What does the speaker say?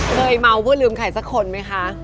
เคยเมาเพื่อลืมใครสักคนไหมคะ